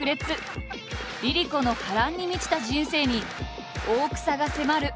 ＬｉＬｉＣｏの波乱に満ちた人生に大草が迫る。